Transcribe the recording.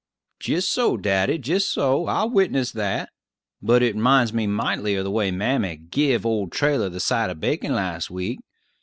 "Jist so, daddy; jist so; I'll witness that. But it 'minds me mightily of the way mammy give old Trailler the side of bacon last week.